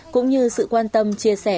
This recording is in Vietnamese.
cũng như sự quan tâm chia sẻ